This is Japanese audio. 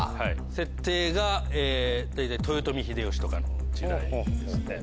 設定が大体豊臣秀吉とかの時代ですね。